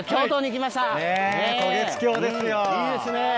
いいですね。